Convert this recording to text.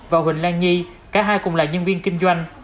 và huỳnh lan nhi cả hai cùng là nhân viên kinh doanh